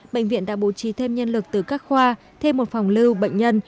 bệnh viện đã bố trí thêm nhân lực từ các khoa thêm một phòng lưu bệnh nhân